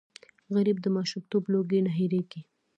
غریب د ماشومتوب لوږې نه هېرېږي